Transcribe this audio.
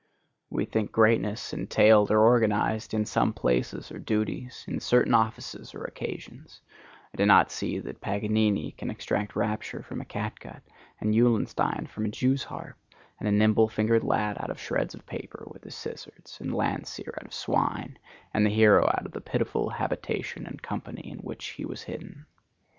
We think greatness entailed or organized in some places or duties, in certain offices or occasions, and do not see that Paganini can extract rapture from a catgut, and Eulenstein from a jews harp, and a nimble fingered lad out of shreds of paper with his scissors, and Landseer out of swine, and the hero out of the pitiful habitation and company in which he was hidden.